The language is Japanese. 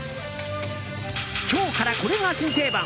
今日からこれが新定番！